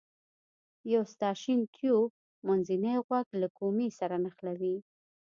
یو ستاشین تیوب منځنی غوږ له کومې سره نښلوي.